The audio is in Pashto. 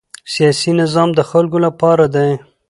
سیاسي نظام د خلکو لپاره دی